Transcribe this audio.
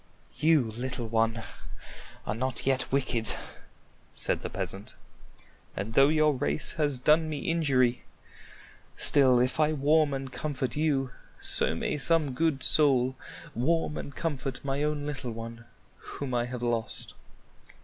"You, little one, are not yet wicked," said the peasant; "and though your race has done me injury, still if I warm and comfort you, so may some good soul warm and comfort my own little one whom I have lost."